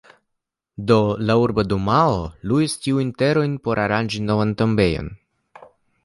Do la Urba Dumao luis tiujn terojn por aranĝi novan tombejon.